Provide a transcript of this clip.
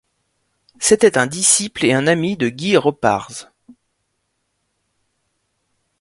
C'était un disciple et un ami de Guy Ropartz.